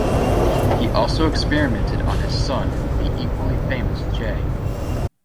He also experimented on his son, the equally famous J.